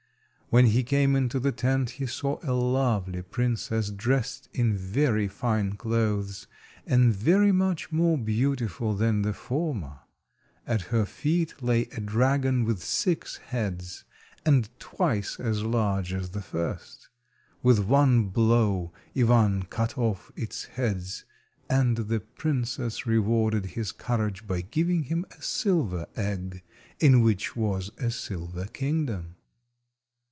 When he came into the tent he saw a lovely princess dressed in very fine clothes, and very much more beautiful than the former. At her feet lay a dragon with six heads, and twice as large as the first. With one blow Ivan cut off its heads, and the princess rewarded his courage by giving him a silver egg, in which was a silver kingdom.